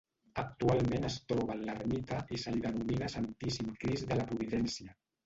Actualment es troba en l'ermita i se li denomina Santíssim Crist de la Providència.